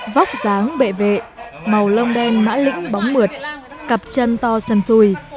vóc dáng bệ vệ màu lông đen mã lĩnh bóng mượt cặp chân to sần xuôi